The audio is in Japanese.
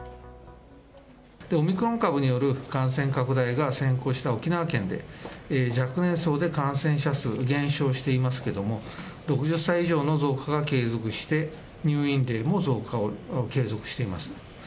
オミクロン株による感染拡大が先行した沖縄県で、若年層で感染者数、減少していますけれども、６０歳以上の増加が継続して、入院例も増加を継続しています。